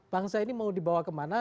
bangsa ini mau dibawa kemana